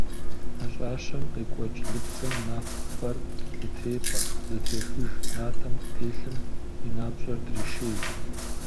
Нэщӏащэм къекӏуэкӏ лыпцӏэм напӏэр зэтрепӏэ, зэтрехыж, натӏэм телъым уи напщӏэр дрешей.